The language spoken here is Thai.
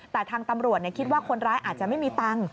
แต่ทางตำรวจคิดว่าคนร้ายอาจจะไม่มีตังค์